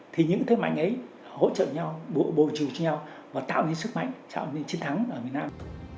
thì những thế mạnh ấy hỗ trợ nhau bồi trù cho nhau và tạo nên sức mạnh tạo nên chiến thắng ở miền nam